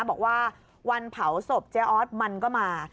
บอกว่าวันเผาศพเจ๊ออสมันก็มา